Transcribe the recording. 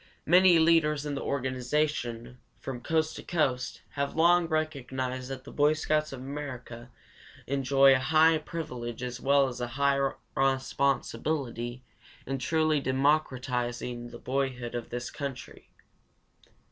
Many leaders in the organization, from coast to coast, have long recognized that the Boy Scouts of America enjoy a high privilege as well as a high responsibility in truly democratizing the boyhood of this country.